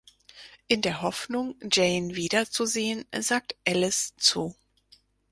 In der Hoffnung, Jane wiederzusehen, sagt Ellis zu.